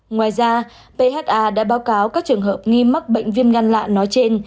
ngoài ra pha đã báo cáo các trường hợp nghi mắc bệnh viêm gan lạ nói trên